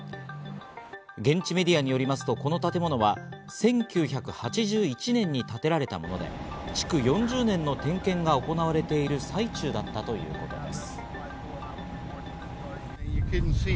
現地メディアによりますと、この建物は１９８１年に建てられたもので、築４０年の点検が行われている最中だったということです。